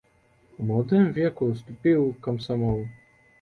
У маладым веку ўступіў у камсамол.